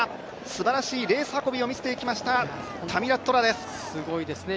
すばらしいレース運びを見せていきました、タミラト・トラです。